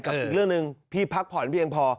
อีกเรื่องหนึ่งพี่พักผ่อนเพียงพอ